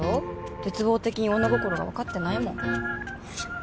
絶望的に女心が分かってないもんいや